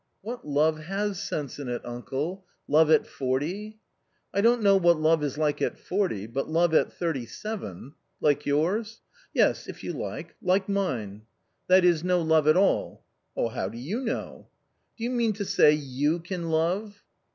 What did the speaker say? " What love has sense in it, uncle ? Love at forty ?"" I don't know what love is like at forty, but love at thirty seven "" Like yours ?"" Yes, if you like, like mine." " That is, no love at all." " How do you know ?"" Do you mean to say you can love